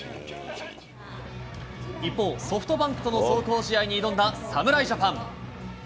一方、ソフトバンクとの壮行試合に挑んだ侍ジャパン。